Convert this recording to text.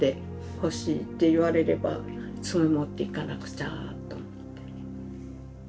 「欲しい」って言われればすぐ持っていかなくちゃと思って。